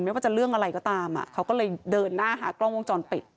ไม่ว่าจะเรื่องอะไรก็ตามเขาก็เลยเดินหน้าหากล้องวงจรปิด